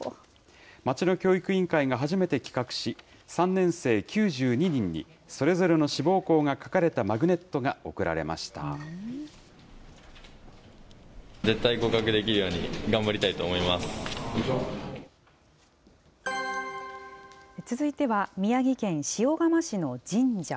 町の教育委員会が初めて企画し、３年生９２人に、それぞれの志望校が書かれたマグネットが贈続いては、宮城県塩釜市の神社。